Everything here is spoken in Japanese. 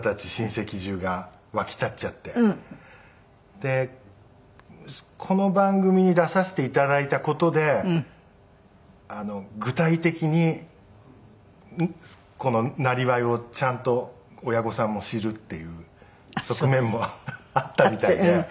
でこの番組に出させて頂いた事で具体的にこの生業をちゃんと親御さんも知るっていう側面もあったみたいで。